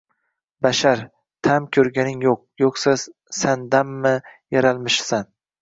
Bashar! Taʻm koʻrganing yoʻq, yoʻqsa samdanmi yaralmishsan?